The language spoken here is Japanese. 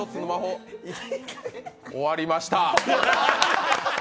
終わりました。